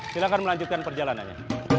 silahkan melanjutkan perjalanannya